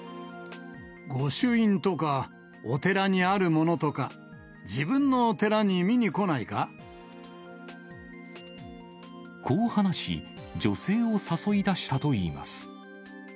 御朱印とか、お寺にあるものこう話し、女性を誘い出したといいます。